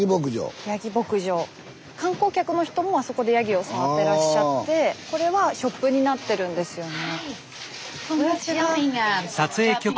スタジオ観光客の人もあそこでヤギを触ってらっしゃってこれはショップになってるんですよね。